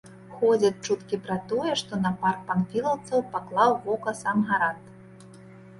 Ходзяць чуткі пра тое, што на парк панфілаўцаў паклаў вока сам гарант.